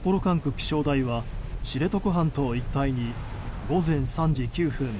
気象台は知床半島一帯に午前３時９分